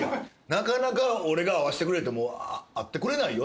なかなか俺が会わしてくれ言うても会ってくれないよ